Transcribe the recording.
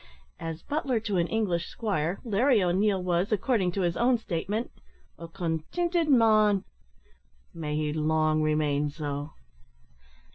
As butler to an English squire, Larry O'Neil was, according to his own statement, "a continted man." May he long remain so!